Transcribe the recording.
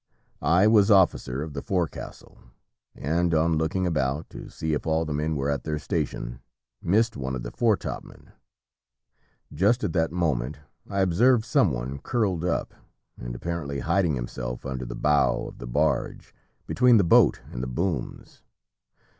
I was officer of the forecastle and on looking about to see if all the men were at their station, missed one of the fore top men. Just at that moment I observed some one curled up, and apparently hiding himself under the bow of the barge, between the boat and the booms.